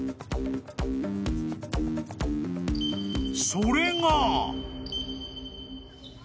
［それが］